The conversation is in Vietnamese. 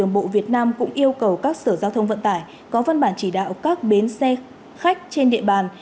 bộ việt nam cũng yêu cầu các sở giao thông vận tải có văn bản chỉ đạo các bến xe khách trên địa bàn